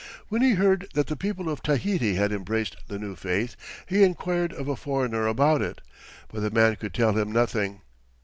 When he heard that the people of Tahiti had embraced the new faith, he inquired of a foreigner about it, but the man could tell him nothing.